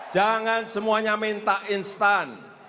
jangan semuanya minta instan